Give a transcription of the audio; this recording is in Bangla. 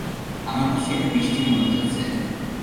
আমার কাছে এটা মিষ্টি মনে হয়েছে।